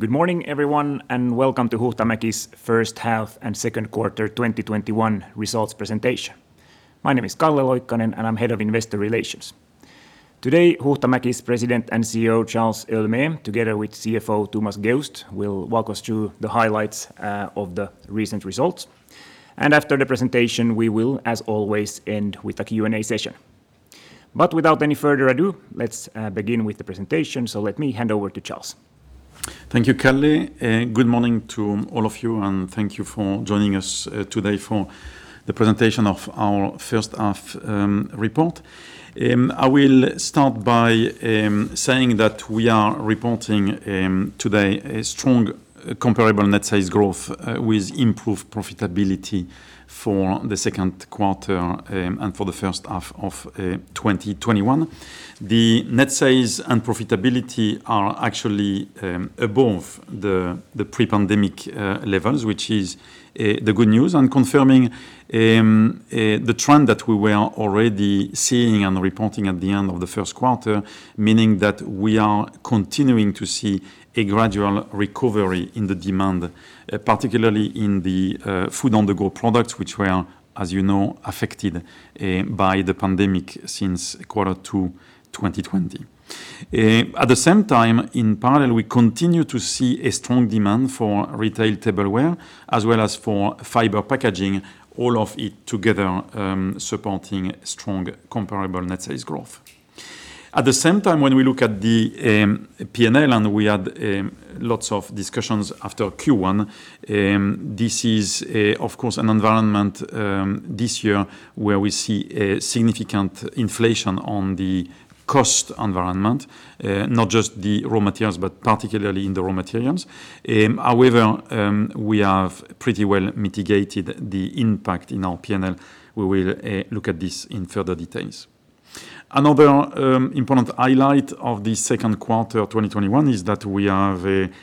Good morning, everyone, and welcome to Huhtamäki's first half and second quarter 2021 results presentation. My name is Calle Loikkanen, and I'm Head of Investor Relations. Today, Huhtamäki's President and CEO, Charles Héaulmé, together with CFO, Thomas Geust, will walk us through the highlights of the recent results. After the presentation, we will, as always, end with a Q&A session. Without any further ado, let's begin with the presentation. Let me hand over to Charles. Thank you, Calle. Good morning to all of you, and thank you for joining us today for the presentation of our first half report. I will start by saying that we are reporting today a strong comparable net sales growth with improved profitability for the second quarter and for the first half of 2021. The net sales and profitability are actually above the pre-pandemic levels, which is the good news, and confirming the trend that we were already seeing and reporting at the end of the first quarter, meaning that we are continuing to see a gradual recovery in the demand, particularly in the food-on-the-go products, which were, as you know, affected by the pandemic since Quarter 2, 2020. At the same time, in parallel, we continue to see a strong demand for retail tableware as well as for fiber packaging, all of it together supporting strong comparable net sales growth. At the same time, when we look at the P&L, we had lots of discussions after Q1, this is, of course, an environment this year where we see a significant inflation on the cost environment, not just the raw materials, but particularly in the raw materials. We have pretty well mitigated the impact in our P&L. We will look at this in further details. Another important highlight of the second quarter 2021 is that we have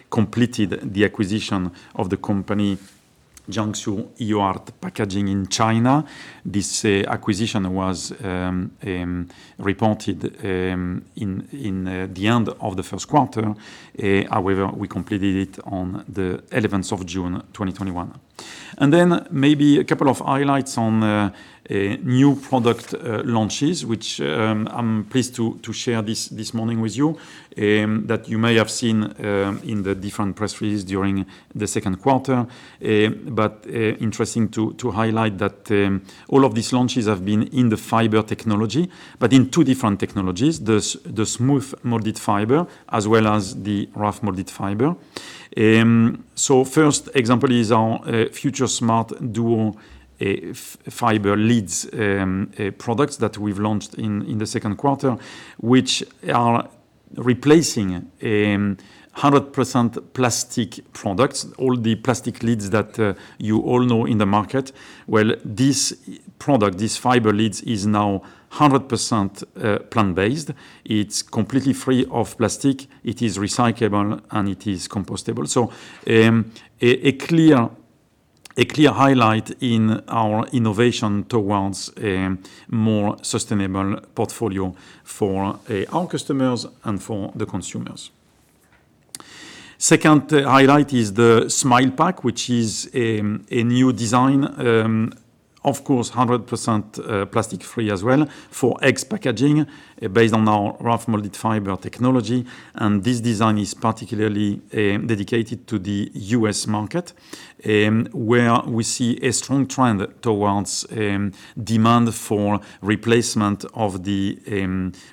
completed the acquisition of the company Jiangsu Hihio-Art Packaging in China. This acquisition was reported in the end of the first quarter. We completed it on the 11th of June 2021. Maybe a couple of highlights on new product launches, which I'm pleased to share this morning with you that you may have seen in the different press releases during the second quarter. Interesting to highlight that all of these launches have been in the fiber technology, but in two different technologies, the smooth molded fiber as well as the rough molded fiber. First example is our Future Smart Duo fiber lids products that we've launched in the second quarter, which are replacing 100% plastic products, all the plastic lids that you all know in the market. This product, this fiber lids, is now 100% plant-based. It's completely free of plastic, it is recyclable, and it is compostable. A clear highlight in our innovation towards a more sustainable portfolio for our customers and for the consumers. Second highlight is the Smilepack, which is a new design, of course, 100% plastic-free as well for egg packaging based on our rough molded fiber technology. This design is particularly dedicated to the U.S. market, where we see a strong trend towards demand for replacement of the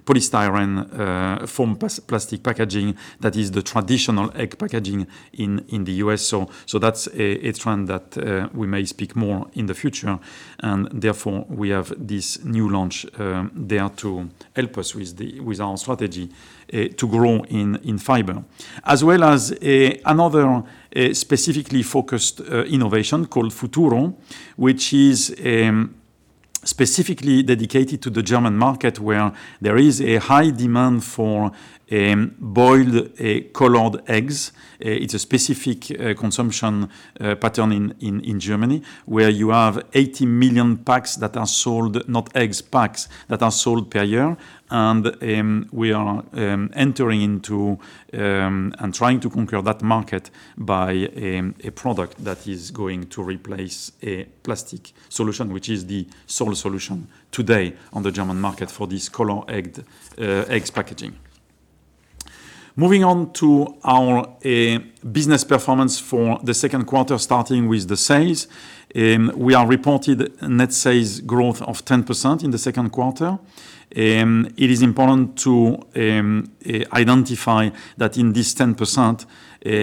polystyrene foam plastic packaging that is the traditional egg packaging in the U.S. That's a trend that we may speak more in the future, and therefore, we have this new launch there to help us with our strategy to grow in fiber. As well as another specifically focused innovation called Futuro, which is specifically dedicated to the German market, where there is a high demand for boiled colored eggs. It's a specific consumption pattern in Germany, where you have 80 million packs that are sold, not eggs, packs that are sold per year. We are entering into and trying to conquer that market by a product that is going to replace a plastic solution, which is the sole solution today on the German market for this colored egg packaging. Moving on to our business performance for the second quarter, starting with the sales. We are reported net sales growth of 10% in the second quarter. It is important to identify that in this 10%,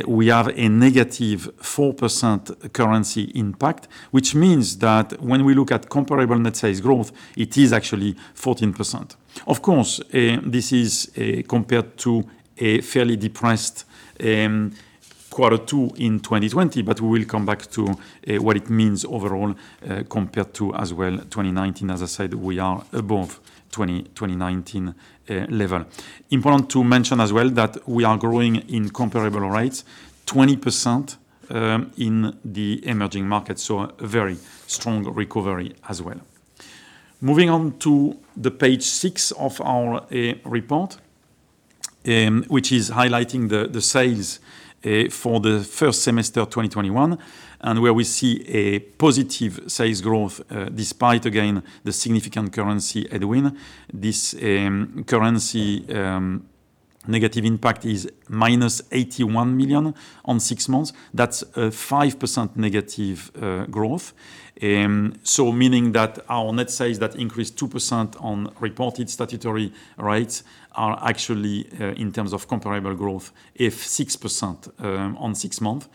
we have a -4% currency impact, which means that when we look at comparable net sales growth, it is actually 14%. Of course, this is compared to a fairly depressed quarter two in 2020, but we will come back to what it means overall compared to as well 2019. As I said, we are above 2019 level. Important to mention as well that we are growing in comparable rates 20% in the emerging market, so a very strong recovery as well. Moving on to page six of our report, which is highlighting the sales for the first semester of 2021, and where we see a positive sales growth, despite, again, the significant currency headwind. This currency negative impact is -81 million on six months. That's 5% negative growth. Meaning that our net sales that increased 2% on reported statutory rates are actually, in terms of comparable growth, 6% on six months,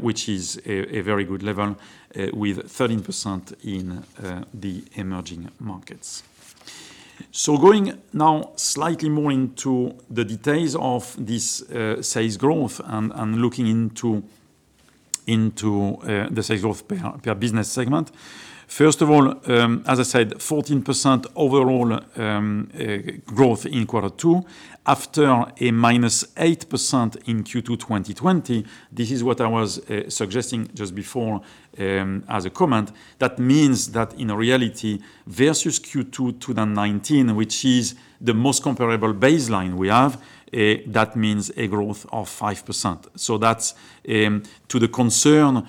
which is a very good level, with 13% in the emerging markets. Going now slightly more into the details of this sales growth and looking into the sales growth per business segment. First of all, as I said, 14% overall growth in quarter two after a -8% in Q2 2020. This is what I was suggesting just before as a comment. That means that in reality, versus Q2 2019, which is the most comparable baseline we have, that means a growth of 5%. That's to the concern,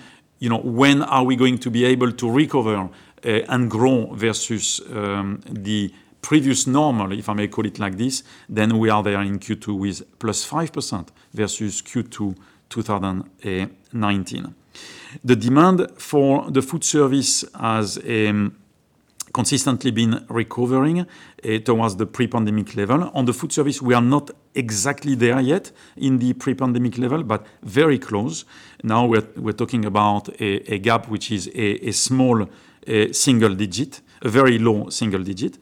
when are we going to be able to recover and grow versus the previous normal, if I may call it like this, then we are there in Q2 with +5% versus Q2 2019. The demand for the Food Service has consistently been recovering towards the pre-pandemic level. On the Food Service, we are not exactly there yet in the pre-pandemic level, but very close. Now we're talking about a gap, which is a small single digit, a very low single digit.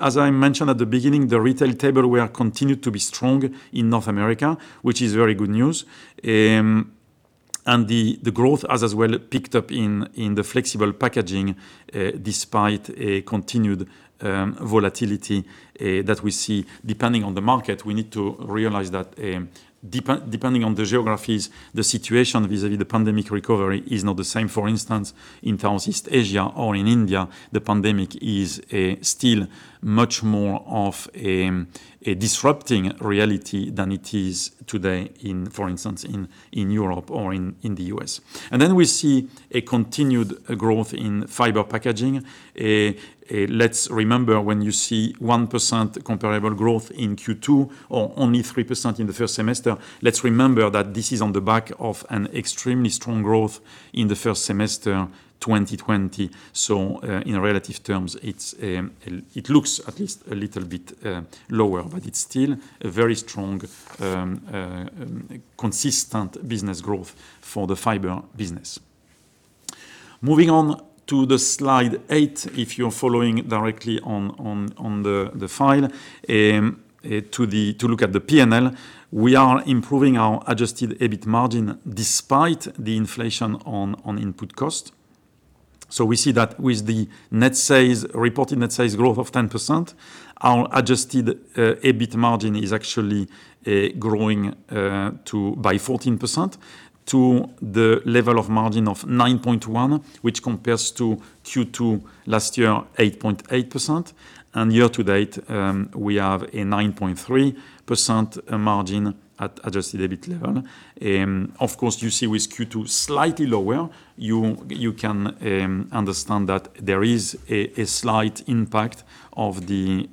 As I mentioned at the beginning, the retail tableware continued to be strong in North America, which is very good news. The growth has as well picked up in the Flexible Packaging, despite a continued volatility that we see depending on the market. We need to realize that depending on the geographies, the situation vis-à-vis the pandemic recovery is not the same. For instance, in Southeast Asia or in India, the pandemic is still much more of a disrupting reality than it is today in, for instance, Europe or in the U.S.. We see a continued growth in Fiber Packaging. Let's remember when you see 1% comparable growth in Q2, or only 3% in the first semester, let's remember that this is on the back of an extremely strong growth in the first semester 2020. In relative terms, it looks at least a little bit lower, but it's still a very strong, consistent business growth for the Fiber Business. Moving on to slide eight, if you're following directly on the file, to look at the P&L. We are improving our adjusted EBIT margin despite the inflation on input cost. We see that with the reported net sales growth of 10%, our adjusted EBIT margin is actually growing by 14% to the level of margin of 9.1%, which compares to Q2 last year, 8.8%. Year to date, we have a 9.3% margin at adjusted EBIT level. Of course, you see with Q2 slightly lower, you can understand that there is a slight impact of the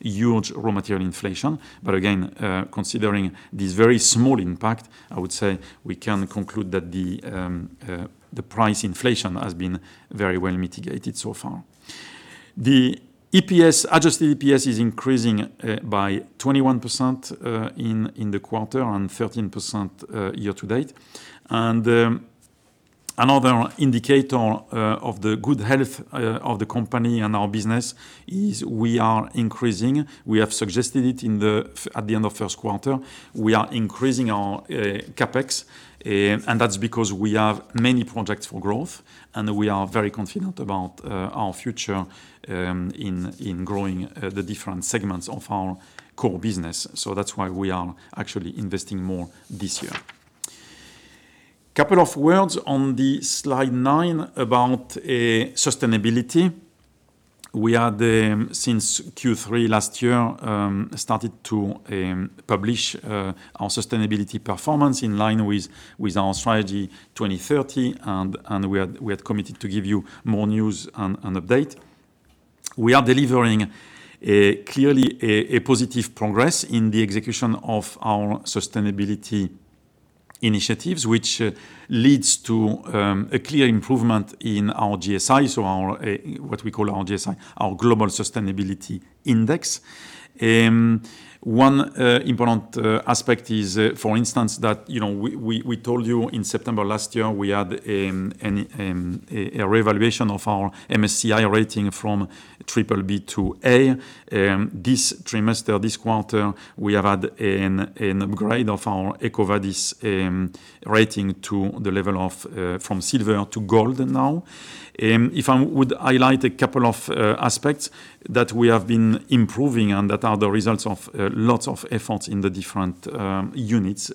huge raw material inflation. Again, considering this very small impact, I would say we can conclude that the price inflation has been very well mitigated so far. The adjusted EPS is increasing by 21% in the quarter and 13% year to date. Another indicator of the good health of the company and our business is we are increasing. We have suggested it at the end of first quarter. We are increasing our CapEx. That's because we have many projects for growth and we are very confident about our future in growing the different segments of our core business. That's why we are actually investing more this year. Couple of words on slide nine about sustainability. We, since Q3 last year, started to publish our sustainability performance in line with our strategy 2030. We had committed to give you more news and update. We are delivering clearly a positive progress in the execution of our sustainability initiatives, which leads to a clear improvement in our GSI. What we call our GSI, our Global Sustainability Index. One important aspect is, for instance, that we told you in September last year, we had a reevaluation of our MSCI rating from triple B to A. This trimester, this quarter, we have had an upgrade of our EcoVadis rating to the level of from Silver to Gold now. If I would highlight a couple of aspects that we have been improving and that are the results of lots of efforts in the different units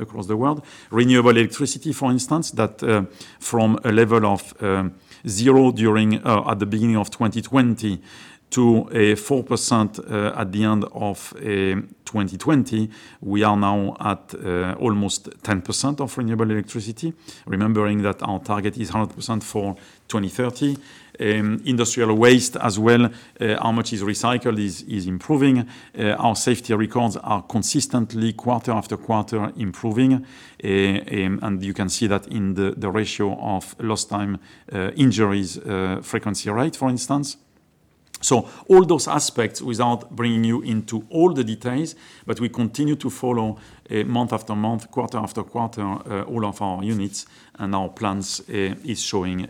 across the world. Renewable electricity, for instance, that from a level of 0 at the beginning of 2020 to 4% at the end of 2020, we are now at almost 10% of renewable electricity. Remembering that our target is 100% for 2030. Industrial waste as well, how much is recycled is improving. Our safety records are consistently, quarter after quarter, improving. You can see that in the ratio of lost time injuries frequency rate, for instance. All those aspects, without bringing you into all the details, but we continue to follow month after month, quarter after quarter, all of our units and our plans are showing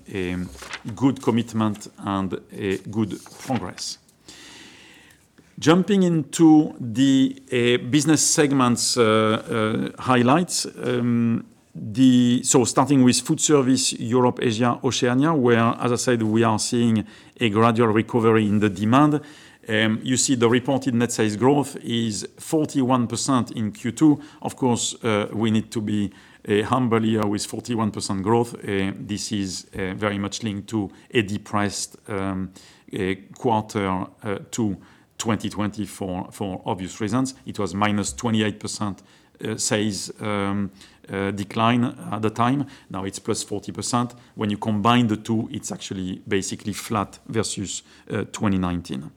good commitment and good progress. Jumping into the business segments highlights. Starting with Food Service, Europe, Asia, Oceania, where, as I said, we are seeing a gradual recovery in the demand. You see the reported net sales growth is 41% in Q2. Of course, we need to be humble here with 41% growth. This is very much linked to a depressed quarter two 2020 for obvious reasons. It was -28% sales decline at the time. Now it's +40%. When you combine the two, it's actually basically flat versus 2019.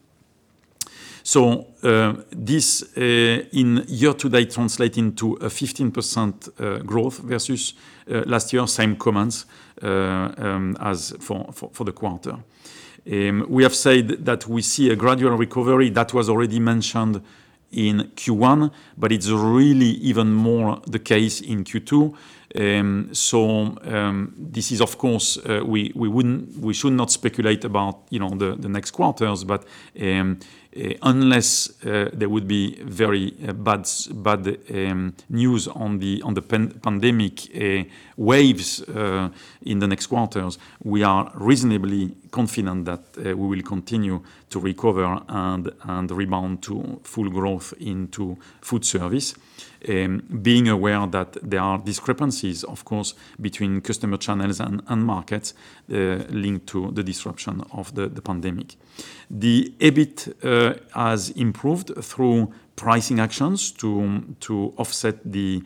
This in year to date translating to a 15% growth versus last year, same comments as for the quarter. We have said that we see a gradual recovery that was already mentioned in Q1, but it's really even more the case in Q2. This is, of course, we should not speculate about the next quarters, but unless there would be very bad news on the pandemic waves in the next quarters, we are reasonably confident that we will continue to recover and rebound to full growth into food service. Being aware that there are discrepancies, of course, between customer channels and markets linked to the disruption of the pandemic. The EBIT has improved through pricing actions to offset the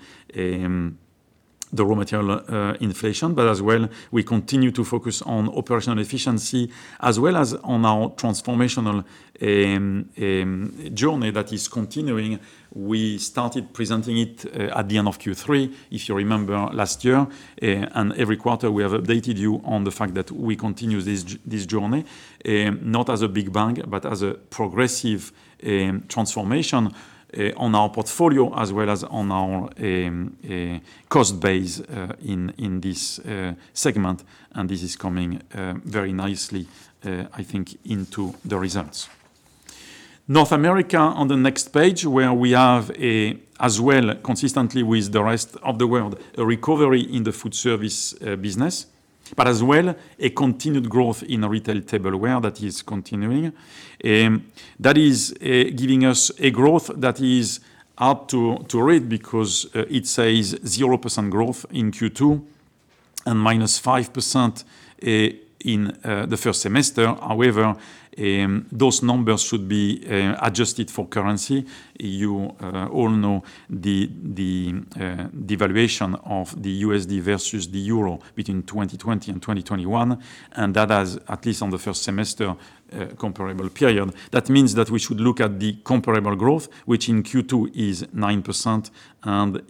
raw material inflation. As well, we continue to focus on operational efficiency as well as on our transformational journey that is continuing. We started presenting it at the end of Q3. If you remember last year, and every quarter, we have updated you on the fact that we continue this journey, not as a big bang, but as a progressive transformation on our portfolio as well as on our cost base in this segment. This is coming very nicely, I think, into the results. North America on the next page, where we have, as well, consistently with the rest of the world, a recovery in the food service business, but as well, a continued growth in retail tableware that is continuing. That is giving us a growth that is hard to read because it says 0% growth in Q2 and -5% in the first semester. However, those numbers should be adjusted for currency. You all know the devaluation of the USD versus the euro between 2020 and 2021. That has, at least on the first semester comparable period, that means that we should look at the comparable growth, which in Q2 is 9% and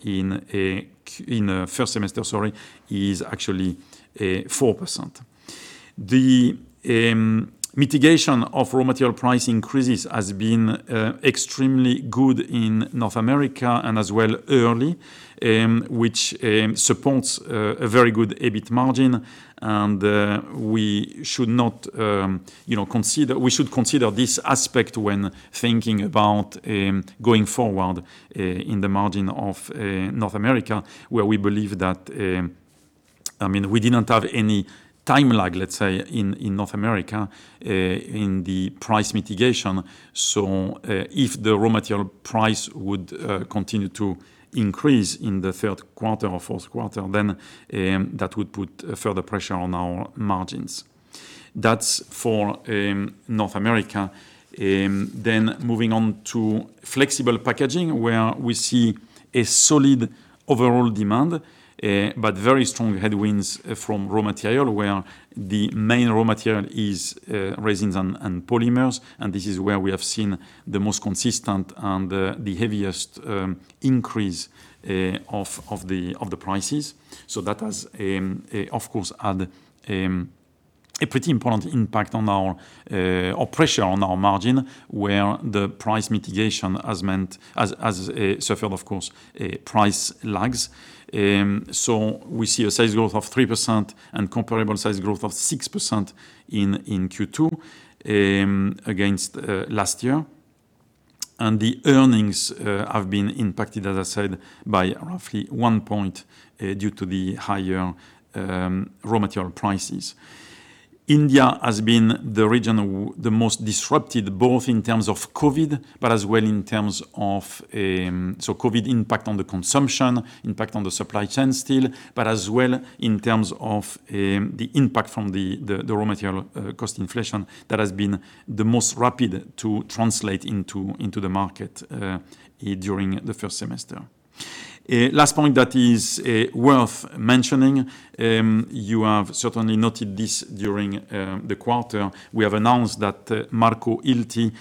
in first semester, sorry, is actually 4%. The mitigation of raw material price increases has been extremely good in North America and as well early, which supports a very good EBIT margin. We should consider this aspect when thinking about going forward in the margin of North America, where we believe that, we didn't have any time lag, let's say, in North America in the price mitigation. If the raw material price would continue to increase in the third quarter or fourth quarter, then that would put further pressure on our margins. That's for North America. Moving on to flexible packaging, where we see a solid overall demand, but very strong headwinds from raw material, where the main raw material is resins and polymers. This is where we have seen the most consistent and the heaviest increase of the prices. That has, of course, had a pretty important impact or pressure on our margin where the price mitigation has suffered, of course, price lags. We see a sales growth of 3% and comparable sales growth of 6% in Q2 against last year. The earnings have been impacted, as I said, by roughly 1 point due to the higher raw material prices. India has been the region the most disrupted, both in terms of COVID, but as well in terms of COVID impact on the consumption, impact on the supply chain still, but as well in terms of the impact from the raw material cost inflation that has been the most rapid to translate into the market during the first semester. Last point that is worth mentioning, you have certainly noted this during the quarter, we have announced that Marco Hilty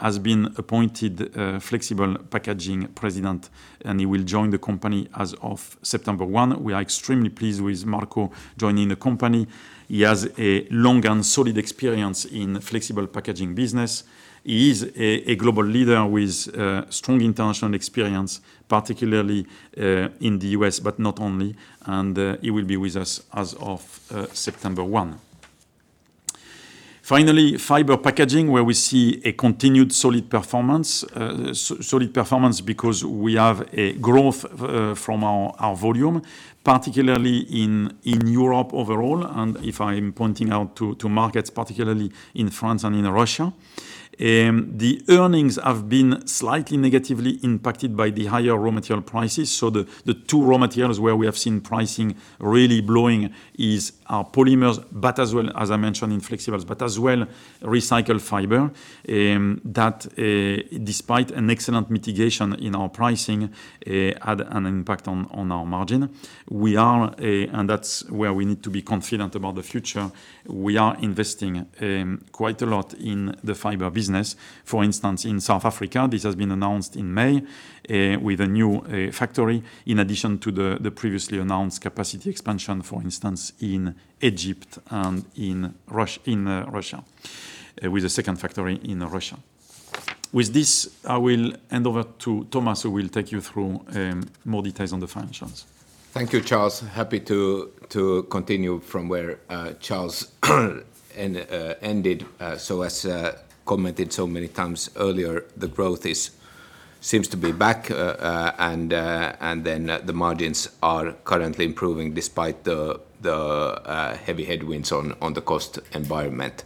has been appointed Flexible Packaging President. He will join the company as of September 1. We are extremely pleased with Marco joining the company. He has a long and solid experience in flexible packaging business. He is a global leader with strong international experience, particularly in the U.S., but not only. He will be with us as of September 1. Finally, fiber packaging, where we see a continued solid performance. Solid performance because we have a growth from our volume, particularly in Europe overall. If I'm pointing out to markets, particularly in France and in Russia. The earnings have been slightly negatively impacted by the higher raw material prices. The two raw materials where we have seen pricing really blowing is our polymers, but as well as I mentioned in flexibles, but as well recycled fiber, that despite an excellent mitigation in our pricing, had an impact on our margin. That's where we need to be confident about the future. We are investing quite a lot in the fiber business. For instance, in South Africa, this has been announced in May, with a new factory, in addition to the previously announced capacity expansion, for instance, in Egypt and in Russia, with a second factory in Russia. With this, I will hand over to Thomas, who will take you through more details on the financials. Thank you, Charles. Happy to continue from where Charles ended. As commented so many times earlier, the growth seems to be back, and then the margins are currently improving despite the heavy headwinds on the cost environment.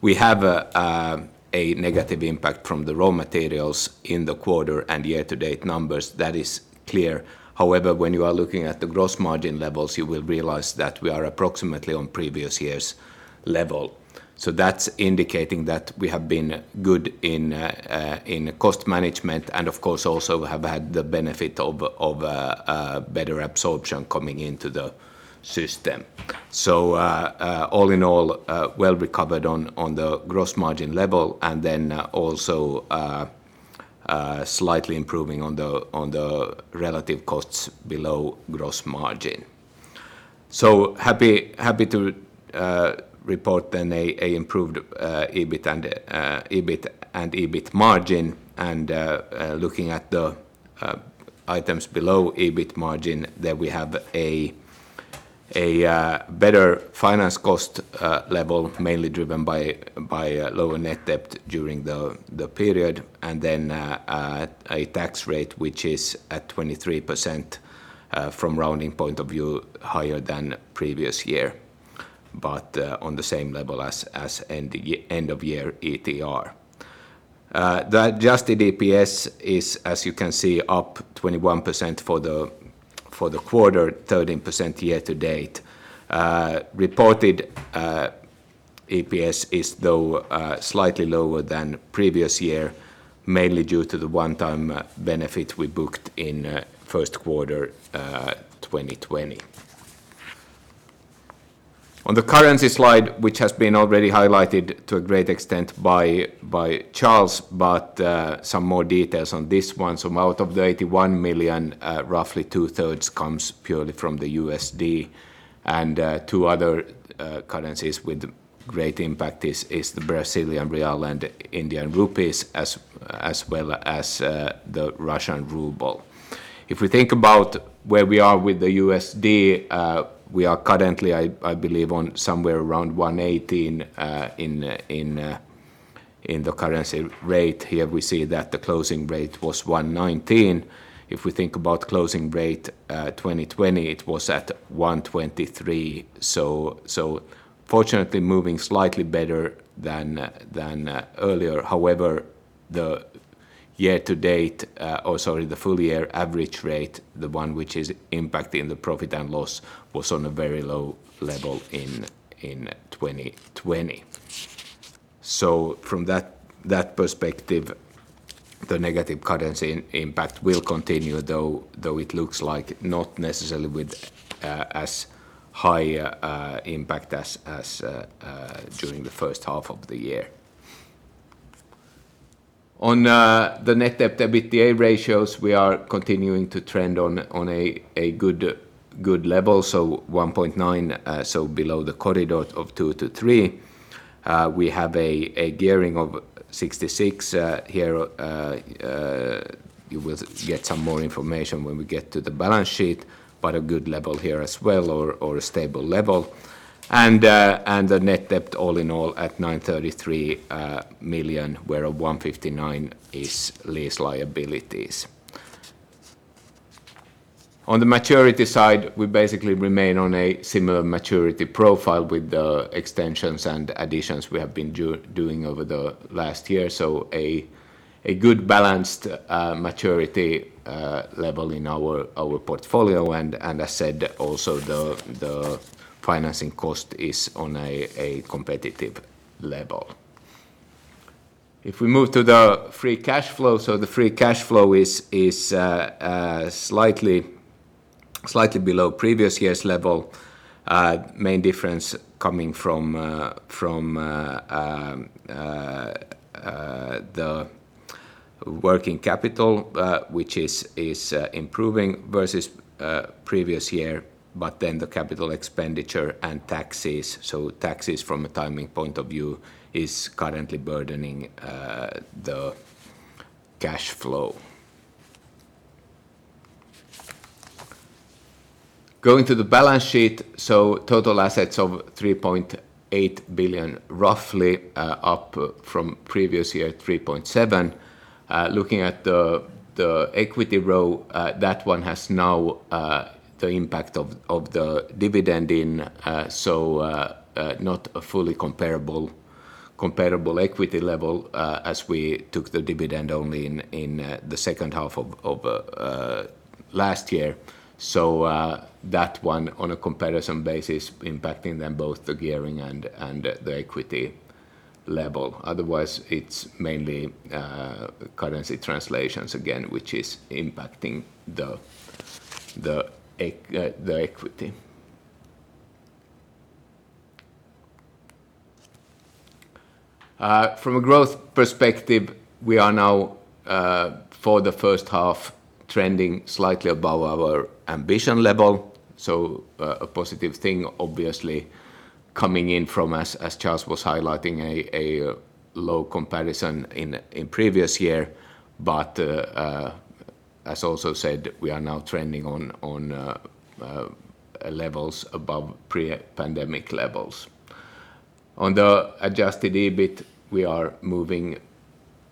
We have a negative impact from the raw materials in the quarter and year-to-date numbers. That is clear. However, when you are looking at the gross margin levels, you will realize that we are approximately on previous year's level. That's indicating that we have been good in cost management and of course, also have had the benefit of better absorption coming into the system. All in all, well recovered on the gross margin level and then also slightly improving on the relative costs below gross margin. Happy to report then an improved EBIT and EBIT margin and looking at the items below EBIT margin, there we have a better finance cost level, mainly driven by lower net debt during the period and then a tax rate, which is at 23%, from rounding point of view, higher than previous year. On the same level as end of year ETR. The adjusted EPS is, as you can see, up 21% for the quarter, 13% year to date. Reported EPS is though slightly lower than previous year, mainly due to the one-time benefit we booked in first quarter 2020. On the currency slide, which has been already highlighted to a great extent by Charles, but some more details on this one. Out of the 81 million, roughly 2/3 comes purely from the USD and two other currencies with great impact is the Brazilian real and Indian rupees, as well as the Russian ruble. If we think about where we are with the USD, we are currently, I believe, on somewhere around 118 in the currency rate here. We see that the closing rate was 119. If we think about closing rate 2020, it was at 123. Fortunately, moving slightly better than earlier. However, the year to date or sorry, the full year average rate, the one which is impacting the profit and loss, was on a very low level in 2020. From that perspective, the negative currency impact will continue, though it looks like not necessarily with as high impact as during the first half of the year. On the net debt to EBITDA ratios, we are continuing to trend on a good level, 1.9, below the corridor of 2 to 3. We have a gearing of 66 here. You will get some more information when we get to the balance sheet, but a good level here as well or a stable level. The net debt all in all at 933 million, where 159 is lease liabilities. On the maturity side, we basically remain on a similar maturity profile with the extensions and additions we have been doing over the last year. A good balanced maturity level in our portfolio. As said, also the financing cost is on a competitive level. If we move to the free cash flow, the free cash flow is slightly below previous year's level. Main difference coming from the working capital, which is improving versus previous year, but then the capital expenditure and taxes. Taxes from a timing point of view is currently burdening the cash flow. Going to the balance sheet, so total assets of 3.8 billion, roughly up from previous year, 3.7 billion. Looking at the equity row, that one has now the impact of the dividend in, so not a fully comparable equity level, as we took the dividend only in the second half of last year. That one on a comparison basis impacting then both the gearing and the equity level. Otherwise, it's mainly currency translations again, which is impacting the equity. From a growth perspective, we are now, for the first half, trending slightly above our ambition level. A positive thing obviously coming in from, as Charles was highlighting, a low comparison in previous year. As also said, we are now trending on levels above pre-pandemic levels. On the adjusted EBIT, we are moving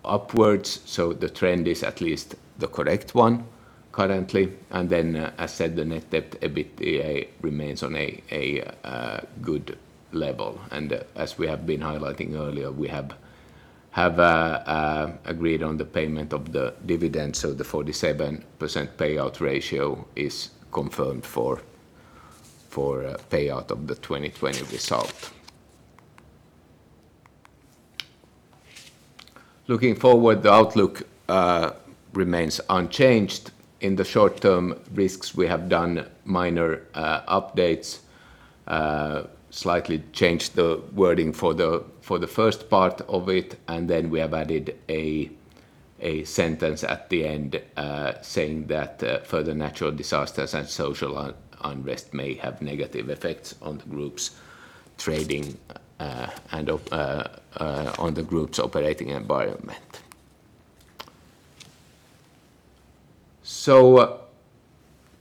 upwards, so the trend is at least the correct one currently. As said, the net debt to EBITDA remains on a good level. As we have been highlighting earlier, we have agreed on the payment of the dividends, so the 47% payout ratio is confirmed for payout of the 2020 result. Looking forward, the outlook remains unchanged. In the short-term risks, we have done minor updates, slightly changed the wording for the first part of it, and then we have added a sentence at the end saying that further natural disasters and social unrest may have negative effects on the group's trading and on the group's operating environment.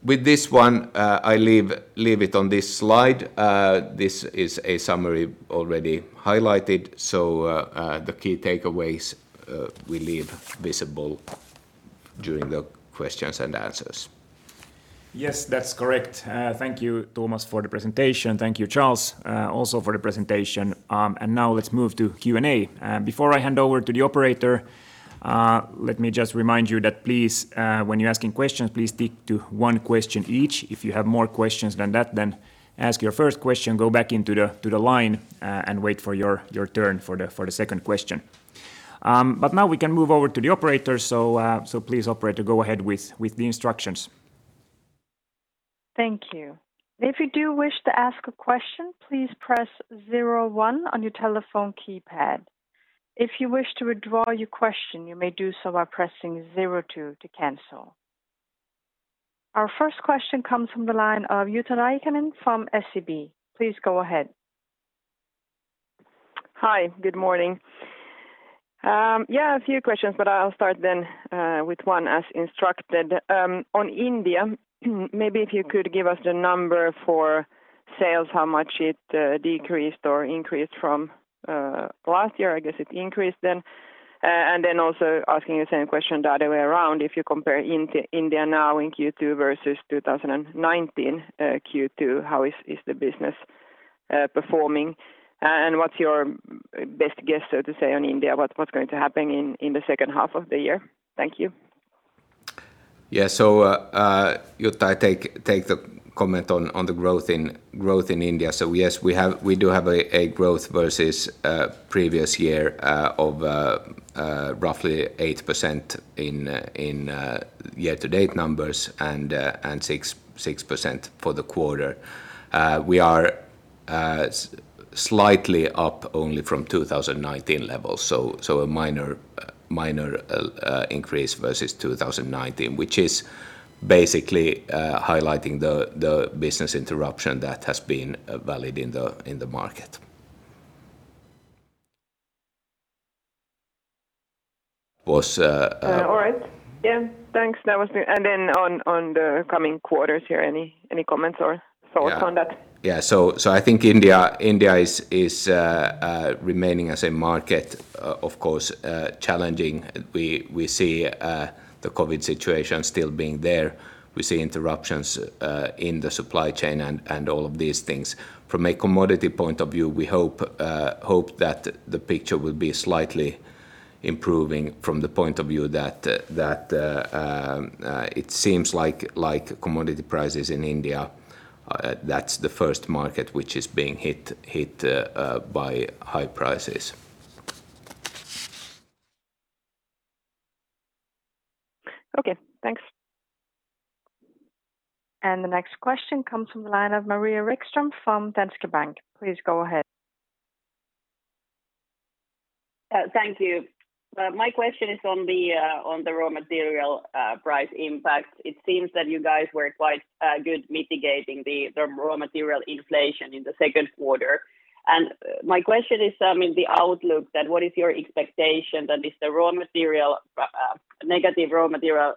With this one, I leave it on this slide. This is a summary already highlighted, so the key takeaways we leave visible during the questions and answers. Yes, that's correct. Thank you, Thomas, for the presentation. Thank you, Charles, also for the presentation. Now let's move to Q&A. Before I hand over to the operator, let me just remind you that please, when you're asking questions, please stick to one question each. If you have more questions than that, then ask your first question, go back into the line, and wait for your turn for the second question. Now we can move over to the operator. Please, operator, go ahead with the instructions. Thank you. If you do wish to ask a question, please press 0 one on your telephone keypad. If you wish to withdraw your question, you may do so by pressing 0 two to cancel. Our first question comes from the line of Jutta Rahikainen from SEB. Please go ahead. Hi. Good morning. Yeah, a few questions, but I'll start then with one as instructed. On India, maybe if you could give us the number for sales, how much it decreased or increased from last year. I guess it increased then. Also asking the same question the other way around, if you compare India now in Q2 versus 2019 Q2, how is the business performing? What's your best guess, so to say, on India? What's going to happen in the second half of the year? Thank you. Jutta, I take the comment on the growth in India. Yes, we do have a growth versus previous year of roughly 8% in year-to-date numbers and 6% for the quarter. We are slightly up only from 2019 levels, so a minor increase versus 2019, which is basically highlighting the business interruption that has been valid in the market. All right. Yeah. Thanks. That was. Then on the coming quarters here, any comments or thoughts on that? Yeah. I think India is remaining as a market, of course, challenging. We see the COVID situation still being there. We see interruptions in the supply chain and all of these things. From a commodity point of view, we hope that the picture will be slightly improving from the point of view that it seems like commodity prices in India, that's the first market which is being hit by high prices. Okay, thanks. The next question comes from the line of Maria Wikström from Danske Bank. Please go ahead. Thank you. My question is on the raw material price impact. It seems that you guys were quite good mitigating the raw material inflation in the second quarter. My question is in the outlook, what is your expectation that is the negative raw material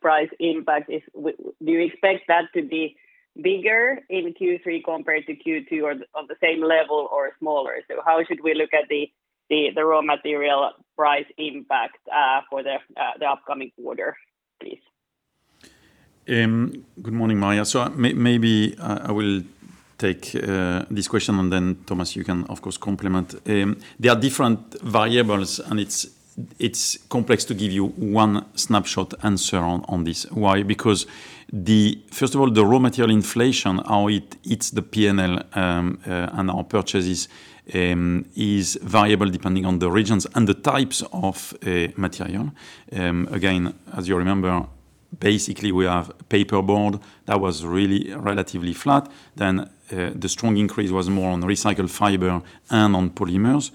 price impact is, do you expect that to be bigger in Q3 compared to Q2, or the same level, or smaller? How should we look at the raw material price impact for the upcoming quarter, please? Good morning, Maria. Maybe I will take this question and then Thomas, you can, of course, complement. There are different variables, and it's complex to give you one snapshot answer on this. Why? Because, first of all, the raw material inflation, how it hits the P&L and our purchases is variable depending on the regions and the types of material. Again, as you remember, basically we have paperboard that was really relatively flat. The strong increase was more on recycled fiber and on polymers.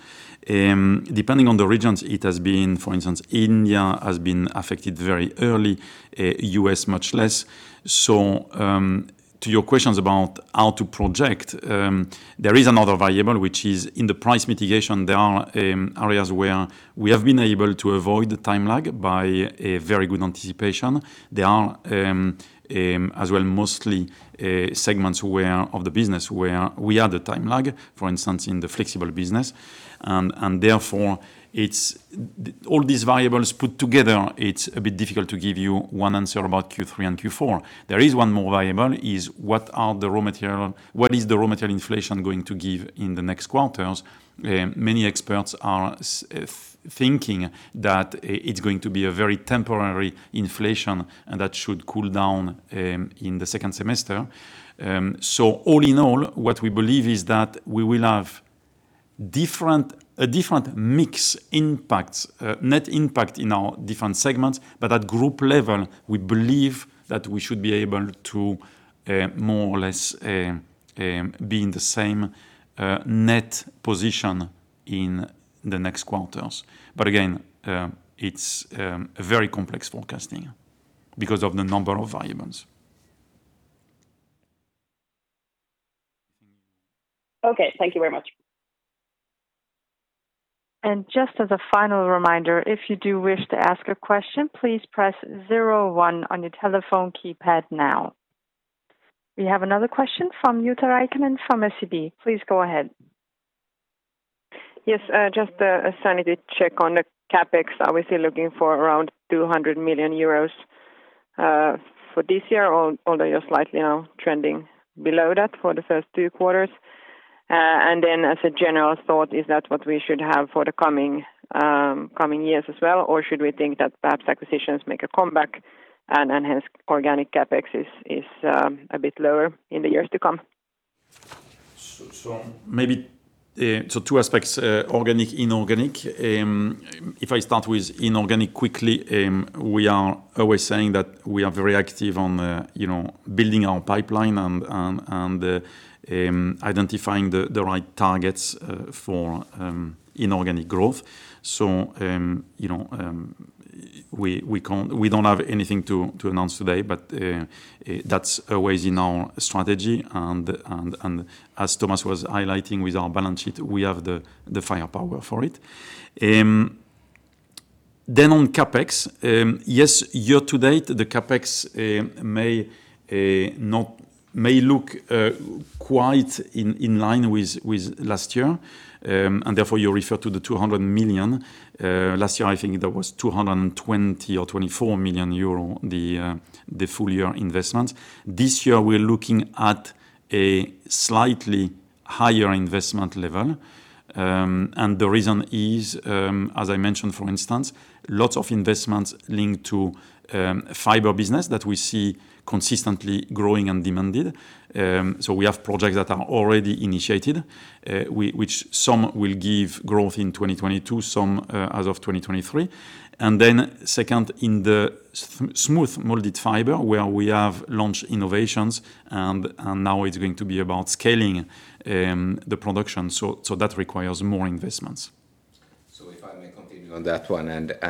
Depending on the regions it has been, for instance, India has been affected very early, U.S. much less. To your questions about how to project, there is another variable, which is in the price mitigation, there are areas where we have been able to avoid the time lag by a very good anticipation. There are, as well, mostly segments of the business where we had a time lag, for instance, in the Flexible Packaging business. Therefore all these variables put together, it's a bit difficult to give you one answer about Q3 and Q4. There is one more variable, is what is the raw material inflation going to give in the next quarters? Many experts are thinking that it's going to be a very temporary inflation and that should cool down in the second semester. All in all, what we believe is that we will have a different mix net impact in our different segments. At group level, we believe that we should be able to more or less be in the same net position in the next quarters. Again, it's a very complex forecasting because of the number of variables. Okay. Thank you very much. Just as a final reminder, if you do wish to ask a question, please press 0 one on your telephone keypad now. We have another question from Jutta Rahikainen from SEB. Please go ahead. Yes, just a sanity check on the CapEx. Obviously looking for around 200 million euros for this year, although you're slightly now trending below that for the first two quarters. As a general thought, is that what we should have for the coming years as well, or should we think that perhaps acquisitions make a comeback and hence organic CapEx is a bit lower in the years to come? Two aspects, organic, inorganic. If I start with inorganic quickly, we are always saying that we are very active on building our pipeline and identifying the right targets for inorganic growth. We don't have anything to announce today, but that's always in our strategy. As Thomas was highlighting with our balance sheet, we have the firepower for it. On CapEx, yes, year to date, the CapEx may look quite in line with last year, and therefore you refer to the 200 million. Last year, I think that was 220 million euro or EUR 224 million, the full year investment. This year we're looking at a slightly higher investment level. The reason is, as I mentioned, for instance, lots of investments linked to fiber business that we see consistently growing and demanded. We have projects that are already initiated, which some will give growth in 2022, some as of 2023. Second, in the smooth molded fiber where we have launched innovations and now it's going to be about scaling the production. That requires more investments. If I may continue on that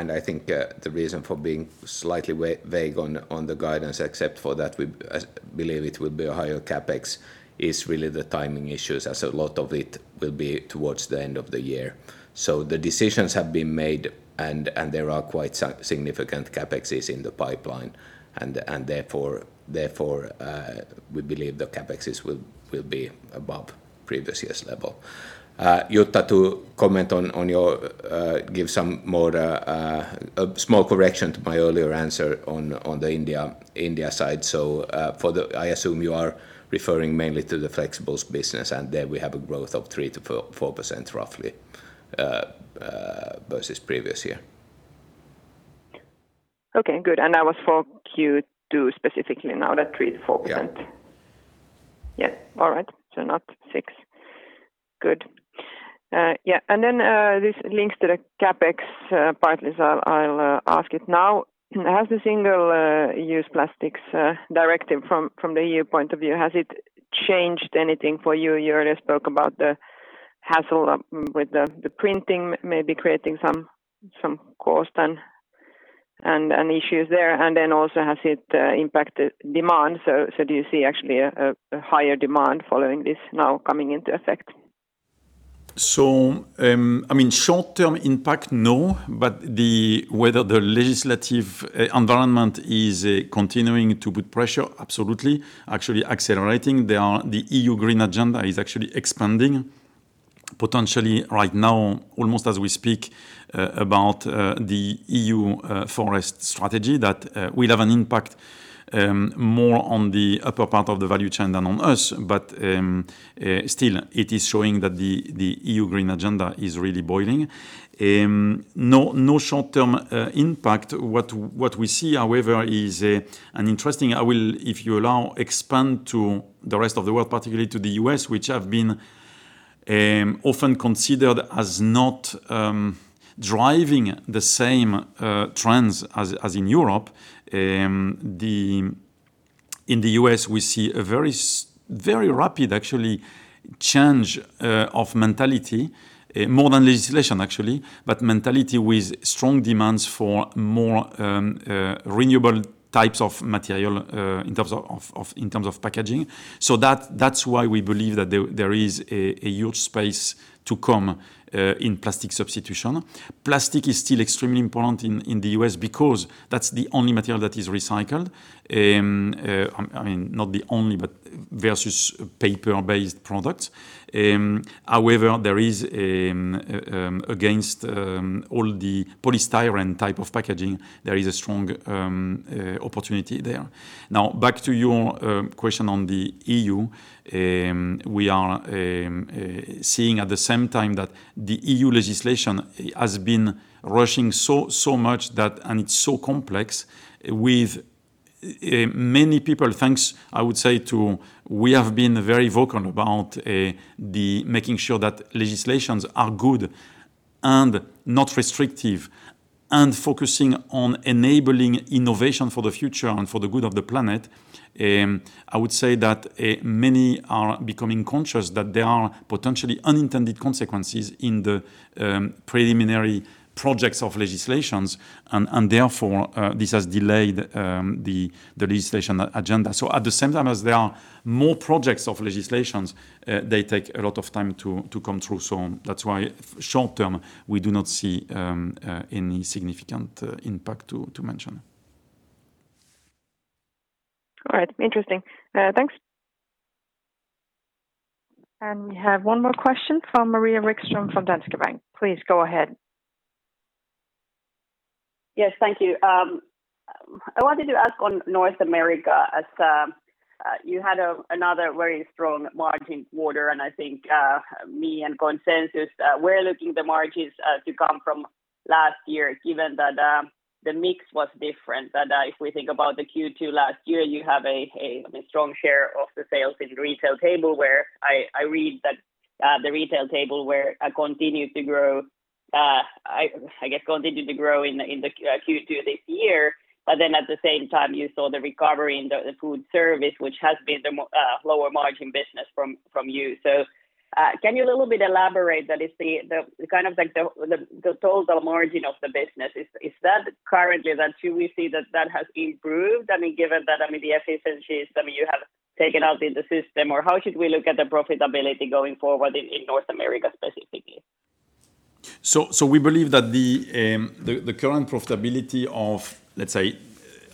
one, I think the reason for being slightly vague on the guidance, except for that we believe it will be a higher CapEx, is really the timing issues, as a lot of it will be towards the end of the year. The decisions have been made, there are quite significant CapExes in the pipeline, therefore we believe the CapExes will be above previous year's level. Jutta, to give a small correction to my earlier answer on the India side. I assume you are referring mainly to the flexibles business, there we have a growth of 3%-4% roughly versus previous year. Okay, good. That was for Q2 specifically now, that 3%-4%? Yes. All right. Not 6%. Good. Yeah. This links to the CapEx part, I'll ask it now. Has the single-use plastics directive from the EU point of view, has it changed anything for you? You earlier spoke about the hassle with the printing maybe creating some cost and issues there, has it impacted demand? Do you see actually a higher demand following this now coming into effect? Short-term impact, no. Whether the legislative environment is continuing to put pressure, absolutely, actually accelerating. The EU Green Agenda is actually expanding potentially right now almost as we speak about the EU Forest Strategy that will have an impact more on the upper part of the value chain than on us. Still, it is showing that the EU Green Agenda is really boiling. No short-term impact. What we see, however, is an interesting, I will, if you allow, expand to the rest of the world, particularly to the U.S., which have been often considered as not driving the same trends as in Europe. In the U.S., we see a very rapid, actually, change of mentality, more than legislation actually, but mentality with strong demands for more renewable types of material in terms of packaging. That's why we believe that there is a huge space to come in plastic substitution. Plastic is still extremely important in the U.S. because that's the only material that is recycled. I mean, not the only, but versus paper-based products. However, there is, against all the polystyrene type of packaging, there is a strong opportunity there. Back to your question on the EU. We are seeing at the same time that the E.U. legislation has been rushing so much that, and it's so complex with many people, thanks, I would say to, we have been very vocal about making sure that legislations are good and not restrictive and focusing on enabling innovation for the future and for the good of the planet. I would say that many are becoming conscious that there are potentially unintended consequences in the preliminary projects of legislations, and therefore, this has delayed the legislation agenda. At the same time as there are more projects of legislations, they take a lot of time to come through. That's why short-term, we do not see any significant impact to mention. All right. Interesting. Thanks. We have one more question from Maria Wikström from Danske Bank. Please go ahead. Yes. Thank you. I wanted to ask on North America as you had another very strong margin quarter. I think me and consensus, we're looking the margins to come from last year given that the mix was different, that if we think about the Q2 last year, you have a strong share of the sales in Retail Tableware. I read that the Retail Tableware continued to grow in the Q2 this year. At the same time you saw the recovery in the Food Service, which has been the lower margin business from you. Can you a little bit elaborate that is the total margin of the business, is that currently that we see that has improved? Given that the efficiencies you have taken out in the system or how should we look at the profitability going forward in North America specifically? We believe that the current profitability of, let's say,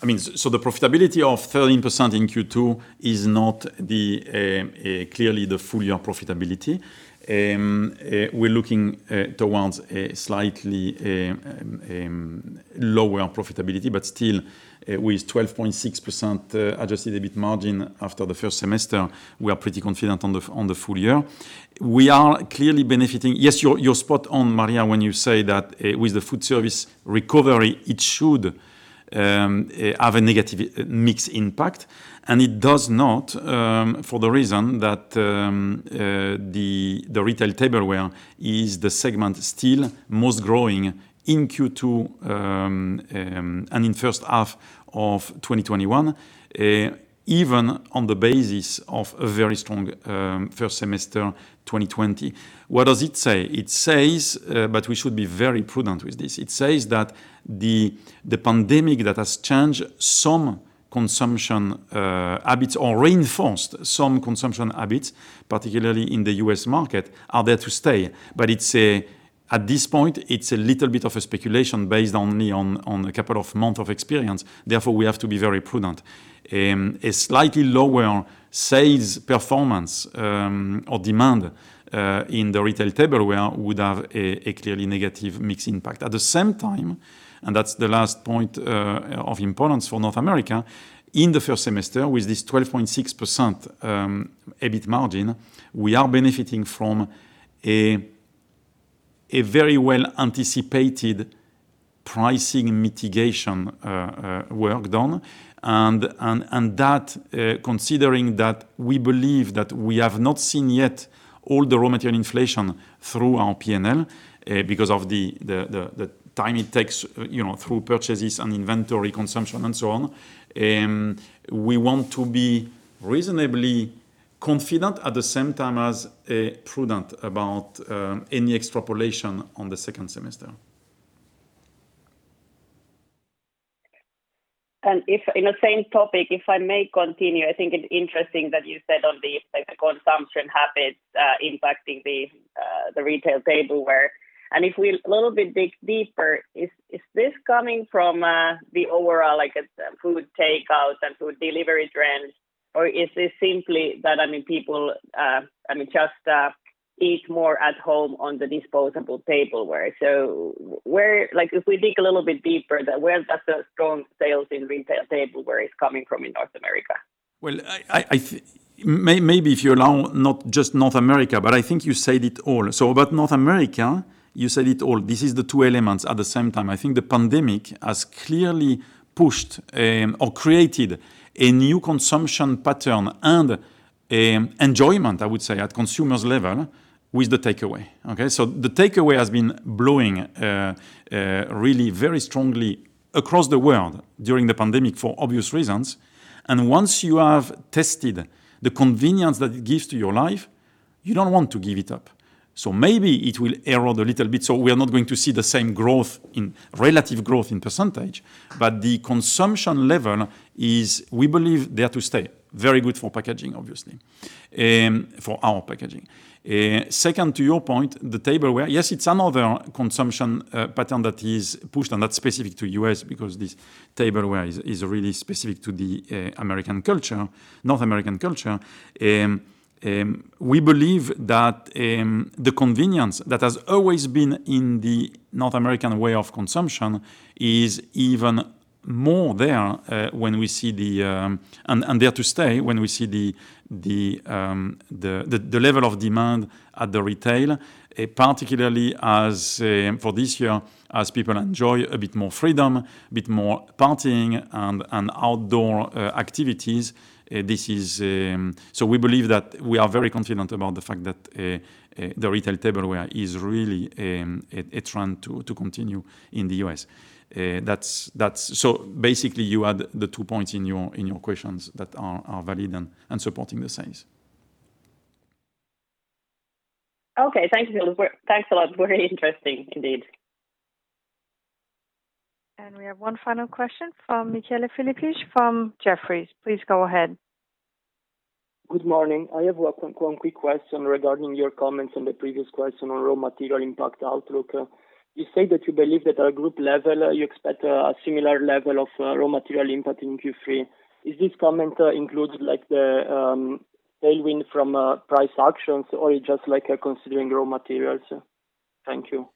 the profitability of 13% in Q2 is not clearly the full year profitability. We're looking towards a slightly lower profitability, but still with 12.6% adjusted EBIT margin after the first semester, we are pretty confident on the full year. We are clearly benefiting. Yes, you're spot on, Maria, when you say that with the food service recovery, it should have a negative mix impact, and it does not for the reason that the retail tableware is the segment still most growing in Q2 and in first half of 2021 even on the basis of a very strong first semester 2020. What does it say? It says, but we should be very prudent with this. It says that the pandemic that has changed some consumption habits or reinforced some consumption habits, particularly in the U.S. market, are there to stay. At this point, it's a little bit of a speculation based only on a couple of months of experience, therefore, we have to be very prudent. A slightly lower sales performance or demand in the retail tableware would have a clearly negative mix impact. At the same time, and that's the last point of importance for North America, in the first semester with this 12.6% EBIT margin, we are benefiting from a very well anticipated pricing mitigation work done. Considering that we believe that we have not seen yet all the raw material inflation through our P&L because of the time it takes through purchases and inventory consumption and so on, we want to be reasonably confident at the same time as prudent about any extrapolation on the second semester. In the same topic, if I may continue, I think it's interesting that you said on the consumption habits impacting the retail tableware. If we a little bit dig deeper, is this coming from the overall food takeout and food delivery trends, or is this simply that people just eat more at home on the disposable tableware? If we dig a little bit deeper, where that strong sales in retail tableware is coming from in North America? Well, maybe if you allow not just North America, but I think you said it all. About North America, you said it all. This is the two elements at the same time. I think the pandemic has clearly pushed or created a new consumption pattern and enjoyment, I would say, at consumer's level with the takeaway. Okay. The takeaway has been blowing really very strongly across the world during the pandemic for obvious reasons. Once you have tested the convenience that it gives to your life, you don't want to give it up. Maybe it will erode a little bit, so we are not going to see the same relative growth in percentage, but the consumption level is, we believe, there to stay. Very good for packaging, obviously, for our packaging. Second, to your point, the tableware. Yes, it's another consumption pattern that is pushed, and that's specific to U.S. because this retail tableware is really specific to the North American culture. We believe that the convenience that has always been in the North American way of consumption is even more there, and there to stay, when we see the level of demand at the retail, particularly for this year, as people enjoy a bit more freedom, bit more partying and outdoor activities. We believe that we are very confident about the fact that the retail tableware is really a trend to continue in the U.S. Basically, you had the two points in your questions that are valid and supporting the sales. Okay. Thanks a lot. Very interesting indeed. We have one final question from Michele Filippig from Jefferies. Please go ahead. Good morning. I have one quick question regarding your comments on the previous question on raw material impact outlook. You said that you believe that at group level, you expect a similar level of raw material impact in Q3. Is this comment includes the tailwind from price actions, or you just considering raw materials? Thank you.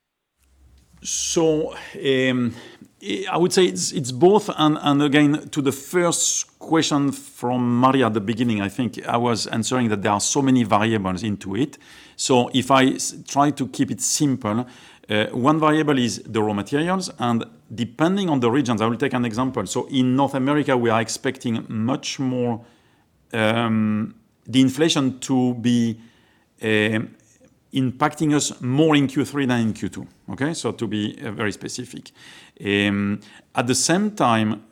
I would say it's both, and again, to the first question from Maria at the beginning, I think I was answering that there are so many variables into it. If I try to keep it simple, one variable is the raw materials, and depending on the regions, I will take an example. In North America, we are expecting the inflation to be impacting us more in Q3 than in Q2. Okay. To be very specific. At the same time,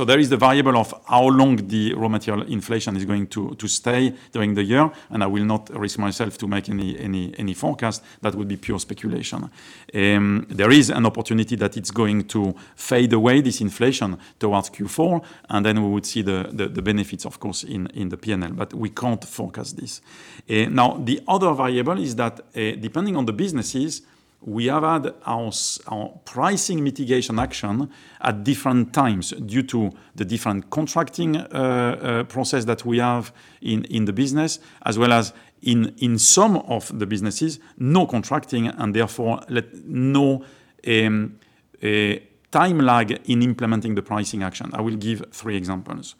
there is the variable of how long the raw material inflation is going to stay during the year, and I will not risk myself to make any forecast, that would be pure speculation. There is an opportunity that it's going to fade away, this inflation, towards Q4, and then we would see the benefits, of course, in the P&L, but we can't forecast this. The other variable is that, depending on the businesses, we have had our pricing mitigation action at different times due to the different contracting process that we have in the business, as well as in some of the businesses, no contracting and therefore no time lag in implementing the pricing action. I will give three examples.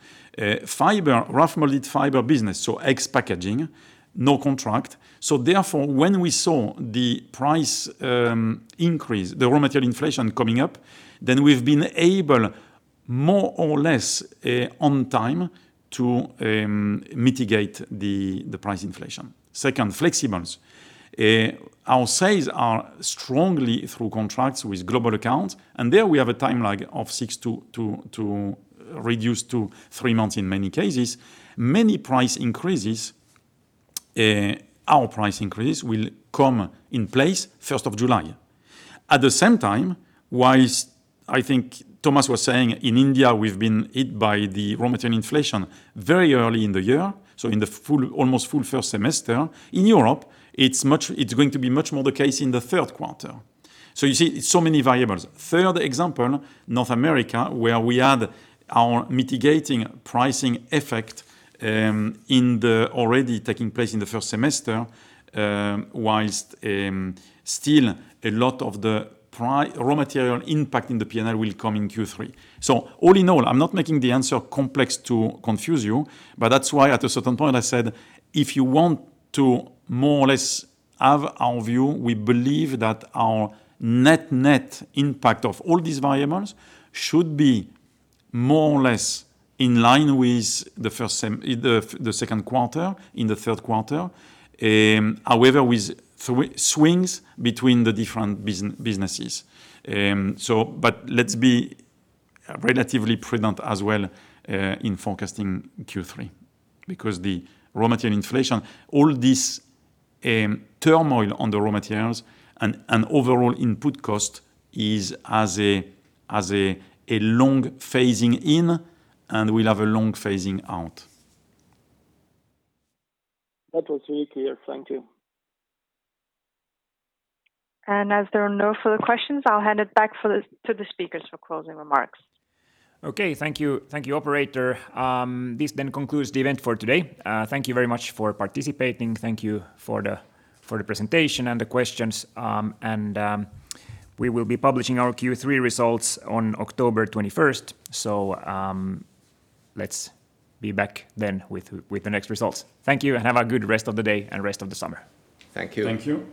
Fiber, rough molded fiber business, so eggs packaging, no contract. When we saw the price increase, the raw material inflation coming up, then we've been able, more or less on time, to mitigate the price inflation. Second, flexibles. Our sales are strongly through contracts with global accounts, and there we have a time lag of six to reduce to three months in many cases. Many price increases, our price increase, will come in place first of July. At the same time, whilst I think Thomas was saying in India, we've been hit by the raw material inflation very early in the year, in the almost full first semester. In Europe, it's going to be much more the case in the third quarter. You see, so many variables. Third example, North America, where we had our mitigating pricing effect already taking place in the first semester, whilst still a lot of the raw material impact in the P&L will come in Q3. All in all, I'm not making the answer complex to confuse you, that's why at a certain point I said, if you want to more or less have our view, we believe that our net impact of all these variables should be more or less in line with the second quarter, in the third quarter. However, with swings between the different businesses. Let's be relatively prudent as well in forecasting Q3 because the raw material inflation, all this turmoil on the raw materials and overall input cost has a long phasing in and will have a long phasing out. That was really clear. Thank you. As there are no further questions, I'll hand it back to the speakers for closing remarks. Okay. Thank you, operator. This concludes the event for today. Thank you very much for participating. Thank you for the presentation and the questions. We will be publishing our Q3 results on October 21st. Let's be back then with the next results. Thank you, and have a good rest of the day and rest of the summer. Thank you. Thank you.